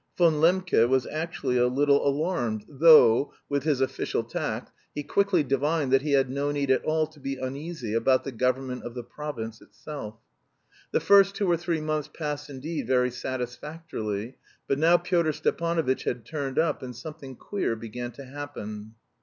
Von Lembke was actually a little alarmed, though, with his official tact, he quickly divined that he had no need at all to be uneasy about the government of the province itself. The first two or three months passed indeed very satisfactorily. But now Pyotr Stepanovitch had turned up, and something queer began to happen.